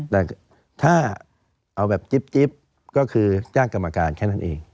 แต่ถ้าเอาแบบจิ๊บก็คือจ้างกรรมการแค่นั้นเอง